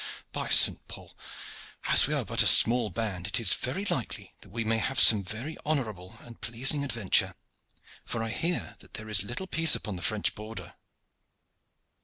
"By St. Paul! as we are but a small band, it is very likely that we may have some very honorable and pleasing adventure, for I hear that there is little peace upon the French border."